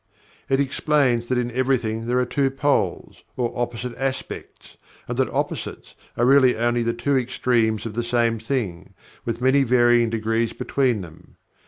It explains that in everything there are two poles, or opposite aspects, and that "opposites" are really only the two extremes of the same thing, with many varying degrees between them.